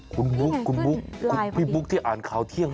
คุณบุ๊กที่อ่านข่าวเที่ยงป่ะ